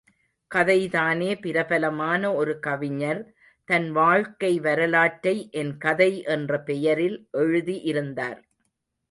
கதை தானே பிரபலமான ஒரு கவிஞர், தன் வாழ்க்கை வரலாற்றை என் கதை என்ற பெயரில் எழுதி இருந்தார்.